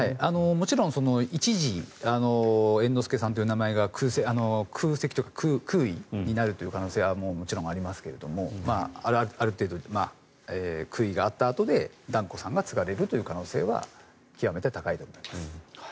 もちろん一時、猿之助さんという名前が空席というか空位になる可能性はもちろんありますがある程度、空位があったあとで團子さんが継がれる可能性は極めて高いと思います。